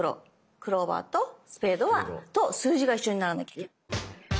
クローバーとスペードはと数字が一緒にならなきゃいけない。